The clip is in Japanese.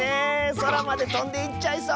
そらまでとんでいっちゃいそう。